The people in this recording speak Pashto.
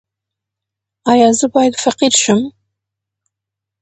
ایا زه باید فقیر شم؟